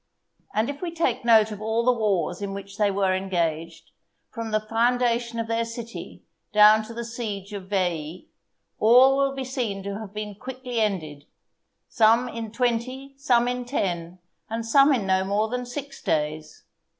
And if we take note of all the wars in which they were engaged, from the foundation of their city down to the siege of Veii, all will be seen to have been quickly ended some in twenty, some in ten, and some in no more than six days.